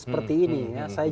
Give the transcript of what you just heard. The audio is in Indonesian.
seperti ini saya